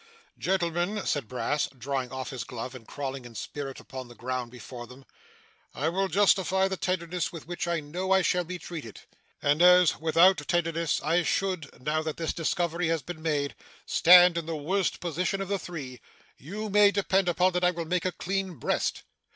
'Gentlemen,' said Brass, drawing off his glove, and crawling in spirit upon the ground before them, 'I will justify the tenderness with which I know I shall be treated; and as, without tenderness, I should, now that this discovery has been made, stand in the worst position of the three, you may depend upon it I will make a clean breast.